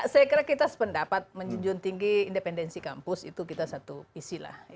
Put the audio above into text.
saya kira kita sependapat menjunjung tinggi independensi kampus itu kita satu visi lah